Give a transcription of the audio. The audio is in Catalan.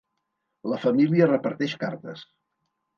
La família reparteix cartes.